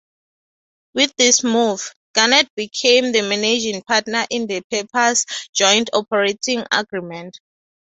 With this move, Gannett became the managing partner in the papers' joint operating agreement.